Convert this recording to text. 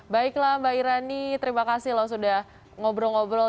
baiklah mbak irani terima kasih loh sudah ngobrol ngobrol